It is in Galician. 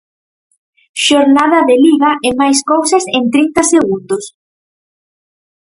Xornada de Liga e máis cousas en trinta segundos.